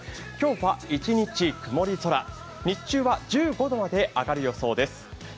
今日は一日曇り空、日中は１５度まで上がる予想です。